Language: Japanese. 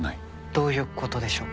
どういう事でしょうか？